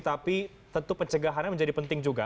tapi tentu pencegahannya menjadi penting juga